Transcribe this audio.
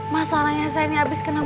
masalahnya saya ini habis ketemu